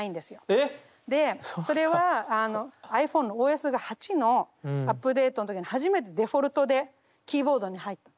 でそれはｉＰｈｏｎｅのＯＳが８のアップデートの時に初めてデフォルトでキーボードに入った。